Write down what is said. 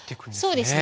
そうですね。